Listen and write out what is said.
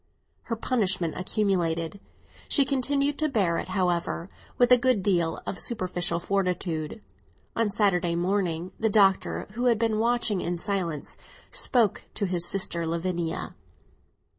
Her punishment accumulated; she continued to bear it, however, with a good deal of superficial fortitude. On Saturday morning the Doctor, who had been watching in silence, spoke to his sister Lavinia.